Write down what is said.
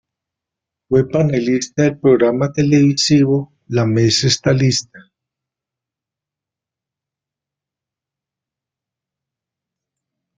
Fue panelista del programa televisivo "La mesa está lista".